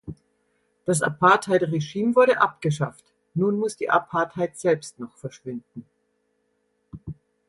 Das Apartheidregime wurde abgeschafft, nun muss die Apartheid selbst noch verschwinden.